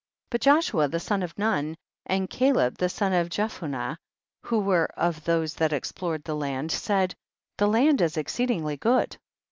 37. But Joshua the son of Nun, and Caleb the son of Jephuneh, who were of those that explored the land, said, the land is exceedingly good.